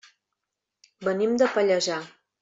Venim de Pallejà.